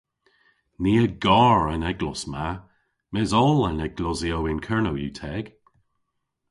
Ni a gar an eglos ma mes oll an eglosyow yn Kernow yw teg.